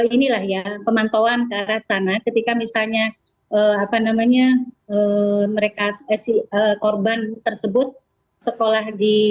inilah ya pemantauan ke arah sana ketika misalnya apa namanya mereka si korban tersebut sekolah di